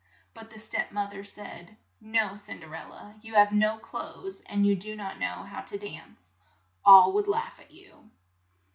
But the step moth er said, "No Cin der el la, you have no clothes and you do not know how to dance. All would laugh at you."